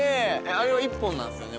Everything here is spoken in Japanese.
あれは一本なんですよね？